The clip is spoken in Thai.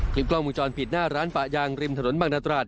กล้องมูลจรปิดหน้าร้านปะยางริมถนนบางนาตราด